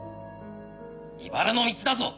いばらの道だぞ！